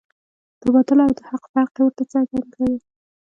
د باطل او د حق فرق یې ورته څرګند کړ.